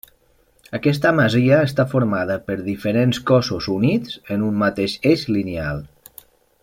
Aquesta masia està formada per diferents cossos units en un mateix eix lineal.